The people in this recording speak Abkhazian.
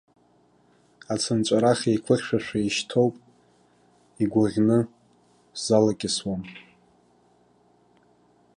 Ацынҵәарах еиқәыхьшәашәа ишьҭоуп, игәаӷьны сзалакьысуам.